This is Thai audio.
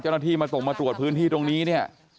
เจ้าหน้าที่มาส่งมาตรวจพื้นที่ตรงนี้เนี่ย